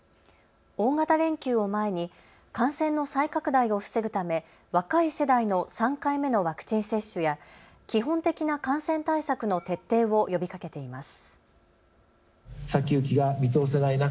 大型連休を前に感染の再拡大を防ぐため若い世代の３回目のワクチン接種や基本的な感染対策の徹底を呼びかけています。